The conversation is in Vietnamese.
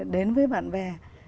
đến với bạn bè